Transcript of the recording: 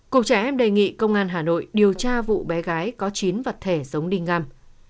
cục trẻ em đề nghị công an hà nội điều tra vụ bé gái có chín vật thể giống đi ngang